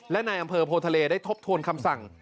และในอำเภอโพทะเลได้ทบทวนคำสั่ง